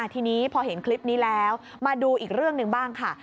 ทีนี้พอเห็นคลิปนี้แล้วมาดูอีกเรื่องหนึ่งบ้างค่ะ